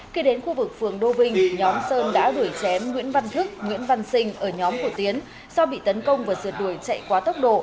khi đến khu vực phường đô vinh nhóm sơn đã đuổi chém nguyễn văn thức nguyễn văn sinh ở nhóm của tiến do bị tấn công và dượt đuổi chạy quá tốc độ